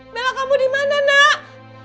bella kamu dimana nak